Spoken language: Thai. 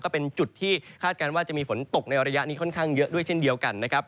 ก็เป็นจุดที่คาดการณ์ว่าจะมีฝนตกในระยะนี้ค่อนข้างเยอะด้วยเช่นเดียวกันนะครับ